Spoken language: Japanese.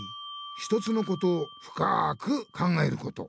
ひとつのことをふかく考えること。